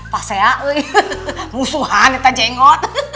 pas ya musuhan kita jenggot